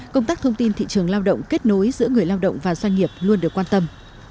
công tác thông tin thị trường lao động kết nối giữa người lao động và doanh nghiệp luôn được quan tâm